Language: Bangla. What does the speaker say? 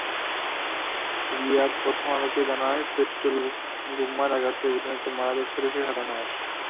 রিয়াদ প্রথম আলোকে জানায়, পেট্রলবোমার আঘাতে প্রতিনিয়ত মারা যাচ্ছে দেশের সাধারণ মানুষ।